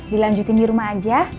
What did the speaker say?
dilanjutin di rumah saja